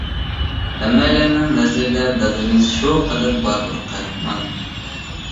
ھەممەيلەننىڭ نەزىرىدە دادىمىز شۇ قەدەر باتۇر قەھرىمان.